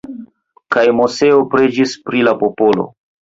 Kaj Moseo preĝis pri la popolo.